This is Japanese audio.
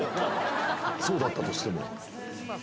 そうだったとしても。